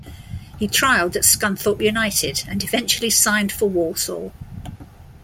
He trialed at Scunthorpe United and eventually signed for Walsall.